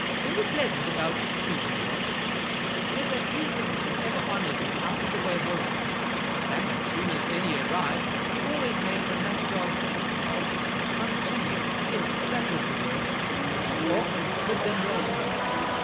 Very pleasant about it, too, he was; said that few visitors ever honoured his out of the way home, but that as soon as any arrived he always made it a matter of of punctilio (yes, that was the word) to put off and bid them welcome.